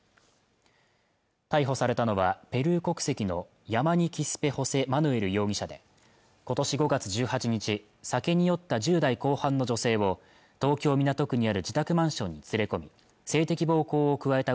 逮捕されたのはペルー国籍のヤマニ・キスペ・ホセ・マヌエル容疑者で今年５月１８日酒に酔った１０代後半の女性を東京港区にある自宅マンションに連れ込み性的暴行を加えた